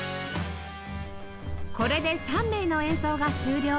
これで３名の演奏が終了